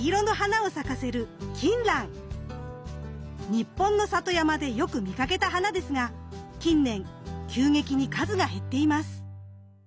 日本の里山でよく見かけた花ですが近年急激に数が減っています。